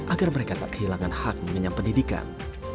agar mereka tak kehilangan hak mengenyam pendidikan